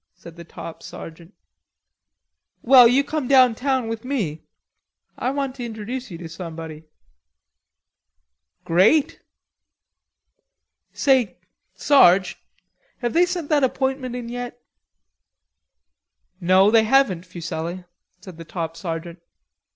said the top sergeant. "Well, you come down town with me. I want to introjuce you to somebody." "Great!" "Say, Sarge, have they sent that appointment in yet?" "No, they haven't, Fuselli," said the top sergeant.